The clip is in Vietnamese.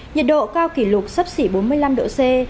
nhiệt độ cao kỷ lục sắp xỉ bốn mươi năm độ c